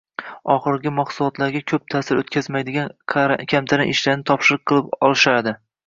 oxirgi mahsulotga ko’p ta’sir o’tkazmaydigan kamtarin ishlarni topshiriq qilib olishadi